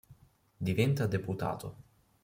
Diventa deputato.